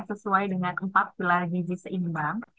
sesuai dengan empat pilar gizi seimbang